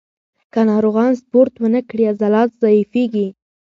که ناروغان سپورت ونه کړي، عضلات ضعیفېږي.